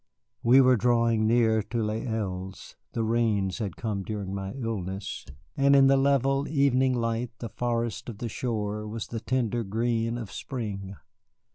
We were drawing near to Les Îles. The rains had come during my illness, and in the level evening light the forest of the shore was the tender green of spring.